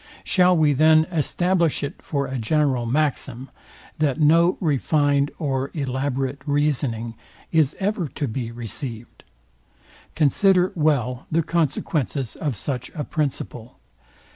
Shall we, then, establish it for a general maxim, that no refined or elaborate reasoning is ever to be received? Consider well the consequences of such a principle.